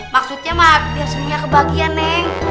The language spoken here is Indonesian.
maksudnya mak biar semuanya kebagian neng